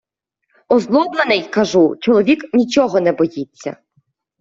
Озлоблений, кажу, чоловік нічого не боїться...